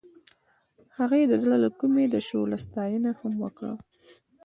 هغې د زړه له کومې د شعله ستاینه هم وکړه.